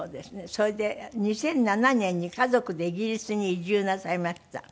それで２００７年に家族でイギリスに移住なさいました。